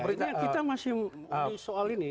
iya kita masih menunggu soal ini